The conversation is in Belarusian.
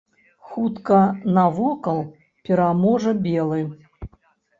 Хутка навокал пераможа белы.